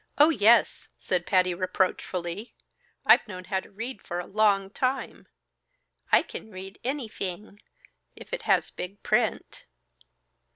"Oh, yes!" said Patty, reproachfully. "I've known how to read a long time. I can read anyfing if it has big print."